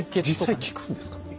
実際効くんですか？